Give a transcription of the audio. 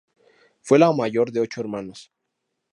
Fue la mayor de ocho hermanos.